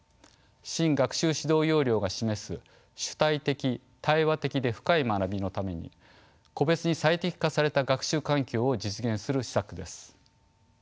新学習指導要領が示す主体的・対話的で深い学びのために個別に最適化された学習環境を実現する施策です。